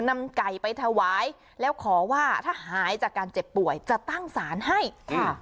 นำไก่ไปถวายแล้วขอว่าถ้าหายจากการเจ็บป่วยจะตั้งสารให้ค่ะ